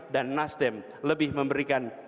dan nasdem lebih memberikan